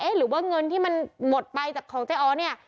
หรือว่าเงินที่มันหมดไปจากของเจ๊อ๋อเนี่ย